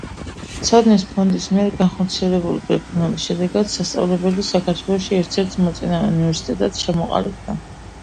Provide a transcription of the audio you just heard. ცოდნის ფონდის მიერ განხორციელებული რეფორმების შედეგად სასწავლებელი საქართველოში ერთ-ერთ მოწინავე უნივერსიტეტად ჩამოყალიბდა.